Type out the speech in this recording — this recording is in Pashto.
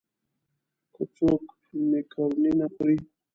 که څوک مېکاروني نه خوري.